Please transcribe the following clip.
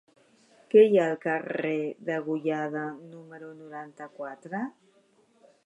Què hi ha al carrer de Degollada número noranta-quatre?